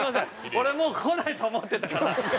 俺もうこないと思ってたから。